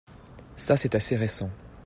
Ça c'est assez récent.